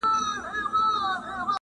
چي ودڅنګ تې مقبره جوړه د سپي ده-